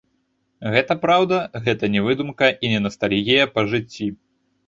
Гэта праўда, гэта не выдумка, і не настальгія па жыцці.